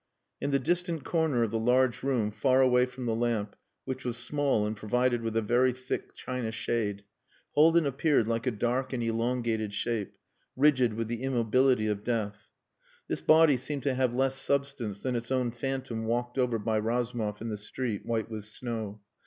In the distant corner of the large room far away from the lamp, which was small and provided with a very thick china shade, Haldin appeared like a dark and elongated shape rigid with the immobility of death. This body seemed to have less substance than its own phantom walked over by Razumov in the street white with snow.